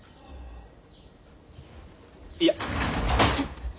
いや。